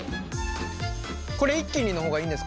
これ一気にの方がいいんですか？